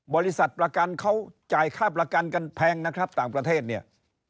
บริษัทประกันเขาจ่ายค่าประกันกันแพงนะครับต่างประเทศเนี่ย